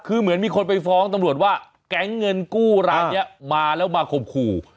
คือเหมือนมีคนไปฟ้องตำรวจว่าแก๊งเงินกู้รายนี้มาแล้วมาข่มขู่